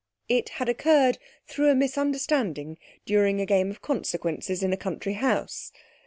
It had occurred through a misunderstanding during a game of consequences in a country house.